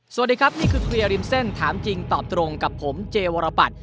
สวัสดีครับนี่คือเคลียร์ริมเส้นถามจริงตอบตรงกับผมเจวรปัตร